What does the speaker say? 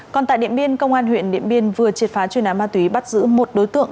còn tại điện biên công an huyện điện biên vừa triệt phá chuyên án ma túy bắt giữ một đối tượng